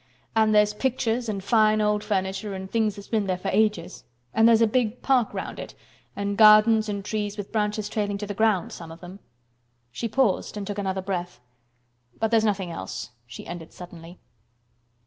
And there's pictures and fine old furniture and things that's been there for ages, and there's a big park round it and gardens and trees with branches trailing to the ground—some of them." She paused and took another breath. "But there's nothing else," she ended suddenly.